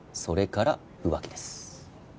それから浮気です。